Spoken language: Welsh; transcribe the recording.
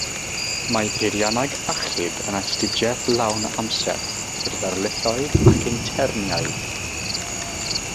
Mae Peirianneg Achub yn astudiaeth lawn amser gyda darlithoedd ac interniaid.